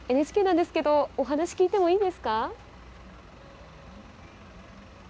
ＮＨＫなんですけど、お話聞いてもいいですか。